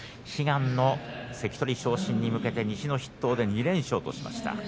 悲願の関取昇進に向けて西の筆頭で２連勝としました。